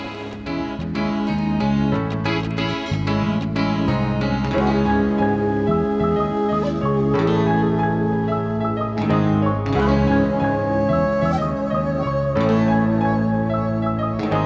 bos aku waktu dulu masih jadi copet